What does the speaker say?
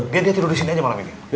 biarin dia tidur disini aja malam ini